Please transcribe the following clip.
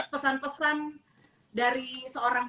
pesan pesan dari seorang